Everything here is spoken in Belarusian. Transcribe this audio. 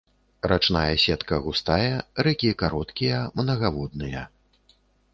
Рачная сетка густая, рэкі кароткія, мнагаводныя.